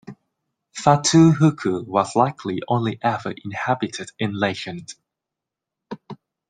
Fatu Huku was likely only ever inhabited in legend.